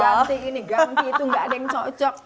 ganti ini ganti itu gak ada yang cocok